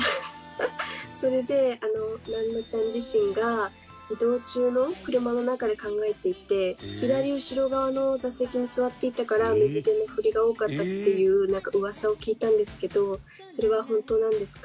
それでナンノちゃん自身が移動中の車の中で考えていて左後ろ側の座席に座っていたから右手の振りが多かったっていう噂を聞いたんですけどそれは本当なんですか？